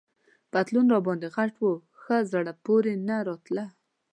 پتلون راباندي غټ وو، ښه زړه پورې نه راته.